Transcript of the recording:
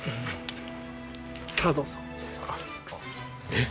えっ？